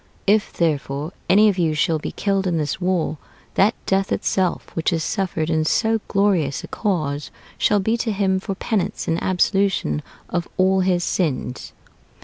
If, therefore, any of you shall be killed in this war, that death itself, which is suffered in so glorious a cause, shall be to him for penance and absolution of all his sins."